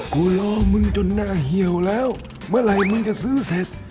รอมึงจนหน้าเหี่ยวแล้วเมื่อไหร่มึงจะซื้อเสร็จ